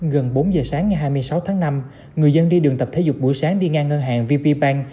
gần bốn giờ sáng ngày hai mươi sáu tháng năm người dân đi đường tập thể dục buổi sáng đi ngang ngân hàng vp bank